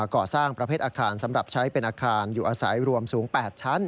ก่อสร้างประเภทอาคารสำหรับใช้เป็นอาคารอยู่อาศัยรวมสูง๘ชั้น